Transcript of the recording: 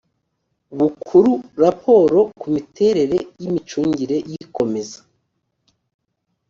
bukuru raporo ku miterere y imicungire y ikomeza